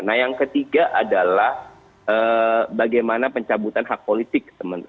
nah yang ketiga adalah bagaimana pencabutan hak politik